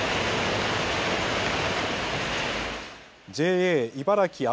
ＪＡ茨城旭